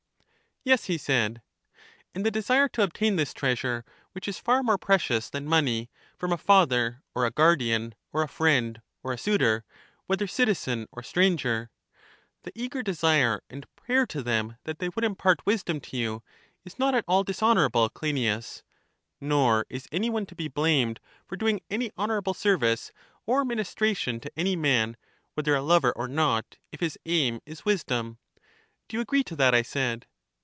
Yes, he said. And the desire to obtain this treasure, which is far more precious than money, from a father or a guardian or a friend or a suitor, whether citizen or stranger — the eager desire and prayer to them that they would impart wisdom to you, is not at all dis EUTHYDEMUS 237 honorable, Cleinias; nor is any one to be blamed for doing any honorable service or ministration to any man, whether a lover or not, if his aim is wisdom. Do you agree to that, I said?